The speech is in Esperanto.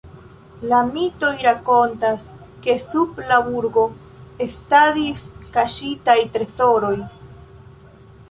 La mitoj rakontas, ke sub la burgo estadis kaŝitaj trezoroj.